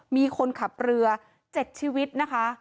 มีคนขับเรือ๗ชีวิตนะคะ